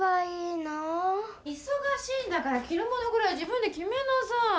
いそがしいんだからきるものぐらい自分できめなさい。